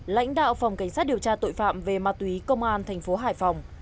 lãnh đạo phòng cảnh sát điều tra tội phạm về ma túy công an thành phố hải phòng